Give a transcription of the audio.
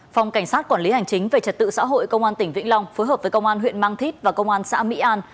phòng cảnh sát quản lý hành chính về trật tự xã hội công an tỉnh vĩnh long phối hợp với công an huyện mang thít và công an xã mỹ an